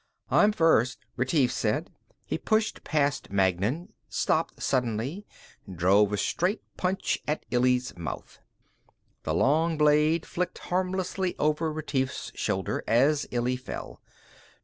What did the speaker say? "I'm first," Retief said. He pushed past Magnan, stopped suddenly, drove a straight punch at Illy's mouth. The long blade flicked harmlessly over Retief's shoulder as Illy fell.